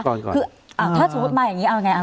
ก่อนก่อนคืออ่าถ้าสมมุติมาอย่างงี้เอาไงอ่า